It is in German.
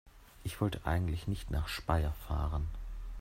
Ich wollte eigentlich nicht nach Speyer fahren